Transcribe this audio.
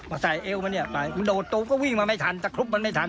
ใส่เอวมันเนี่ยไปมันโดดตูมก็วิ่งมาไม่ทันตะครุบมันไม่ทัน